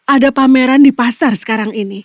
ada pameran di pasar sekarang ini